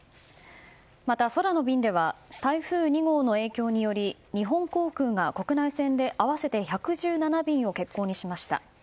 また、空の便では台風２号の影響により日本航空が国内線で合わせて１１７便を欠航にしました。